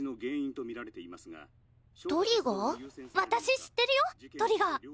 私知ってるよトリガー。